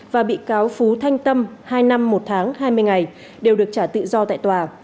và bị cáo phú thanh tâm hai năm một tháng hai mươi ngày đều được trả tự do tại tòa